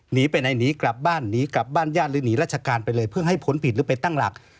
หนีไปไหนหนีกลับบ้านหนีกลับบ้านญาติหรือหนีราชการไปเลยเพื่อให้ผลผิดหรือไปตั้งหลัก